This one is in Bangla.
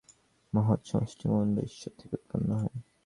আকাশ ও প্রাণ আবার জগদ্ব্যপী মহৎ, সমষ্টি মন বা ঈশ্বর থেকে উৎপন্ন হয়।